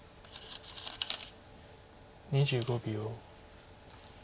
２５秒。